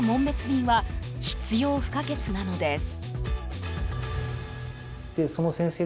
便は必要不可欠なのです。